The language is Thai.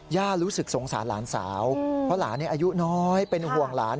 รู้สึกสงสารหลานสาวเพราะหลานอายุน้อยเป็นห่วงหลาน